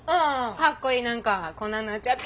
かっこいい何かこんなんなっちゃって。